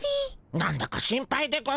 なんだか心配でゴンス。